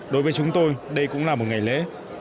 đối với chúng tôi đây cũng là một ngày lễ